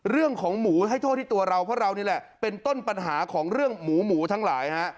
เรื่องของหมูให้โทษที่ตัวเราเพราะเรานี่แหละเป็นต้นปัญหาของเรื่องหมูหมูทั้งหลายฮะ